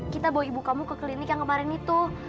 kita bawa ibu kamu ke klinik yang kemarin itu